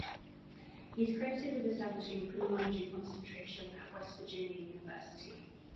He is credited with establishing criminology concentration at West Virginia University.